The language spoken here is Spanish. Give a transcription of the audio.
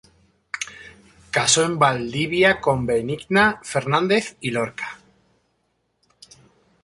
Casó en Valdivia con Benigna Fernández y Lorca.